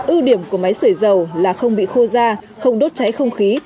ưu điểm của máy sởi dầu là không bị khô ra không đốt cháy không khí